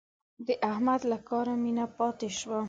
د احمد له کاره مينه ماته شوه.